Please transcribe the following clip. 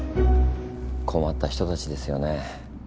困った人たちですよね。